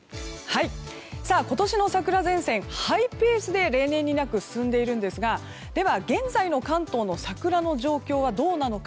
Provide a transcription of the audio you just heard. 今年の桜前線、例年になくハイペースで進んでいますがでは、現在の関東の桜の状況はどうなのか。